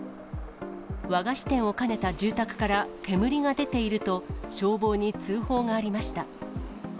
和菓子店を兼ねた住宅から煙が出ていると、消防に通報がありました。